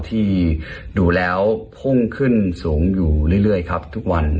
ที่ดูแล้วพุ่งขึ้นสูงอยู่เรื่อยครับทุกวัน